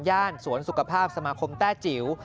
สวนสุขภาพสมาคมแต้จิ๋ว